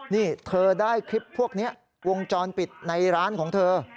นี่เธอได้คลิปพวกนี้วงจรปิดในร้านของเธอ